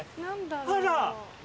あら。